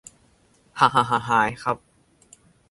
หะหะหะหายครับ